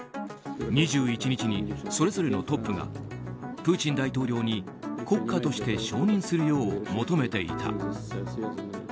２１日に、それぞれのトップがプーチン大統領に国家として承認するよう求めていた。